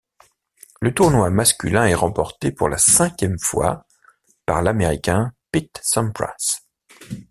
Le tournoi masculin est remporté pour la cinquième fois par l'Américain Pete Sampras.